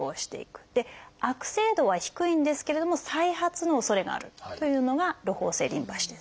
悪性度は低いんですけれども再発のおそれがあるというのがろほう性リンパ腫です。